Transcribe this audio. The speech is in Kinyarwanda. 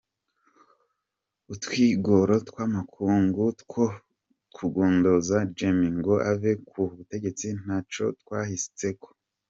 Utwigoro tw'amakungu two kugondoza Jammeh ngo ave ku butegetsi nta co twashitseko.